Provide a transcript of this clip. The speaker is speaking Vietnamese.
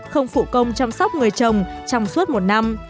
không phụ công chăm sóc người chồng trong suốt một năm